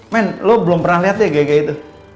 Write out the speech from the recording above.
men lo belum pernah liat ya gaya gaya itu